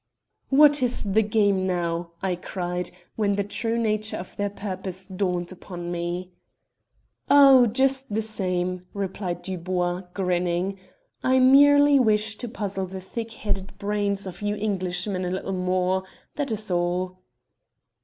"'What is the game now?' I cried, when the true nature of their purpose dawned upon me. "'Oh, just the same,' replied Dubois, grinning, 'I merely wish to puzzle the thick headed brains of you Englishmen a little more. That is all.'